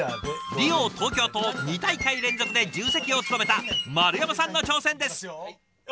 リオ東京と２大会連続で重責を務めた丸山さんの挑戦です。